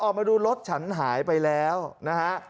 ออกมาดูรถฉันหายไปแล้วนะฮะ